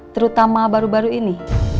terutama baru baru ini